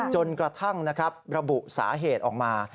ย่นกระทั่งระบุศาเหตุออกมา